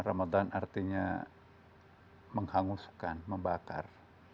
ramadan artinya menghanguskan membakar